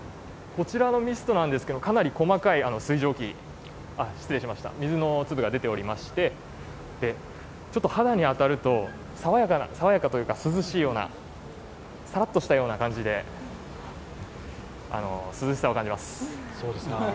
こちらのミストなんですけども、かなり細かい水の粒が出ておりまして、肌に当たると爽やかというか涼しいような、さらっとした感じで涼しさを感じます。